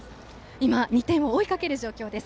今、２点を追いかける状況です。